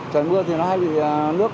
trời mưa thì nó hay bị nước